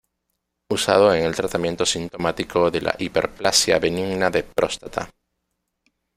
Usado en el tratamiento sintomático de la Hiperplasia benigna de próstata.